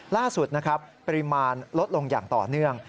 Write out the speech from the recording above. ล่าสุดนะครับปริมาณลดลงอย่างต่อเนื่อง